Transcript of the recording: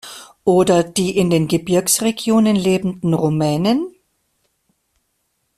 Oder die in den Gebirgsregionen lebenden Rumänen?